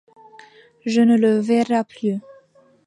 Je ne la verrai plus.